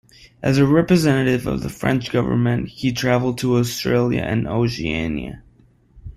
As a representative of the French government, he travelled to Australia and Oceania.